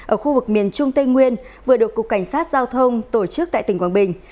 ở khu vực miền trung tây nguyên vừa được cục cảnh sát giao thông tổ chức tại tỉnh quảng bình